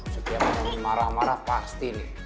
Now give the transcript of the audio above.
setiap orang marah marah pasti nih